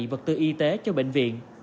vật tư y tế cho bệnh viện